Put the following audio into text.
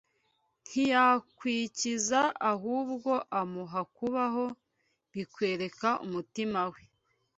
ntiyamwikiza ahubwo amuha kubaho, bikwereka umutima we.”